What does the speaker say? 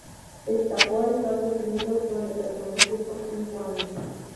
Escapó a Estados Unidos, donde permaneció por cinco años.